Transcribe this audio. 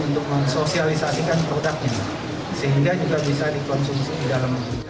untuk mensosialisasikan produk ini sehingga juga bisa dikonsumsi di dalam